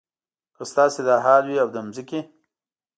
که ستاسې دا حال وي او د ځمکې.